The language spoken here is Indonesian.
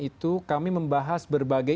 itu kami membahas berbagai